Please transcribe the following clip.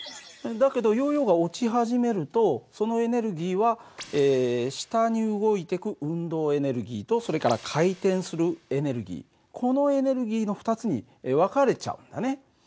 だけどヨーヨーが落ち始めるとそのエネルギーは下に動いてく運動エネルギーとそれから回転するエネルギーこのエネルギーの２つに分かれちゃうんだね。